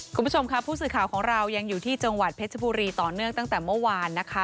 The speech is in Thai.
คุณผู้ชมค่ะผู้สื่อข่าวของเรายังอยู่ที่จังหวัดเพชรบุรีต่อเนื่องตั้งแต่เมื่อวานนะคะ